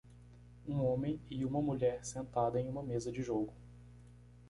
Um homem e uma mulher sentada em uma mesa de jogo.